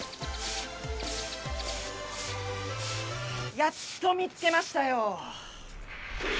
やっと見つけましたよ。